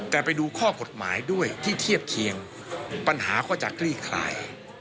แต่ไปดูข้อกฎหมายด้วยที่เทียบเคียงปัญหาก็จะคลี่คลาย